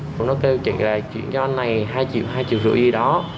cũng nó kêu chính là chuyển cho anh này hai triệu hai triệu rưỡi gì đó